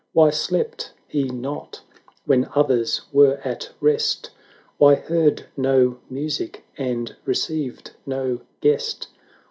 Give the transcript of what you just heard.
Why slept he not when others were at rest? Why heard no music, and received no guest